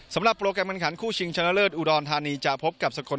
สำหรับโปรแกรมการขันคู่ชิงชาลเดอร์เลอร์อุดรธานีจะพบกับสกรณครบี